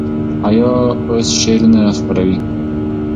حیا اوس شعرونه خپروي.